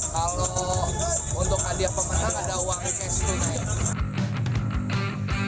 kalau untuk hadiah pemenang ada uang cash